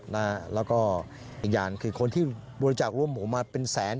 แล้วก็อีกอย่างคือคนที่บริจาคร่วมหมูมาเป็นแสน